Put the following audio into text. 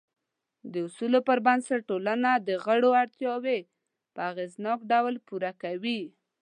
د اصولو پر بنسټ ټولنه د غړو اړتیاوې په اغېزناک ډول پوره کوي.